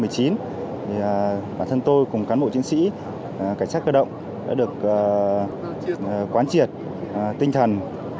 thì bản thân tôi cùng cán bộ chiến sĩ cảnh sát cơ động đã được quán triệt tinh thần